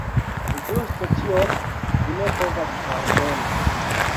Ĝuste tion vi ne povas pardoni.